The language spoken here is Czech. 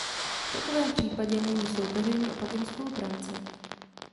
V takovém případě není soupeření opakem spolupráce.